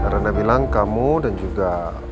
rana bilang kamu dan juga